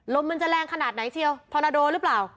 ลมมันจะแรงขนาดไหนเชียวทอนาโดหรือเปล่า